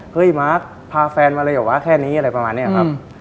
มาร์คพาแฟนมาเลยเหรอวะแค่นี้อะไรประมาณนี้ครับ